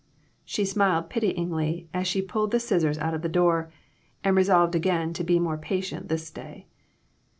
She smiled pityingly as she pulled the scissors out of the door, and she resolved again to be more patient this day.